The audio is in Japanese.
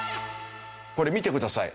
これ見てください。